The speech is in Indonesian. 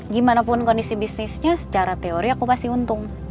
gimanapun kondisi bisnisnya secara teori aku pasti untung